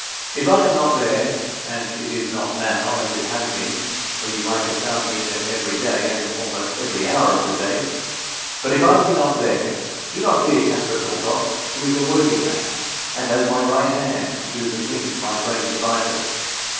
If I am not there and it is not now as it has been, when you might have found me in it every day, and almost every hour of the day; but if I be not there, do not fear Caspar Kaltoff, who is a worthy man, and as my right hand to do the things my brain deviseth.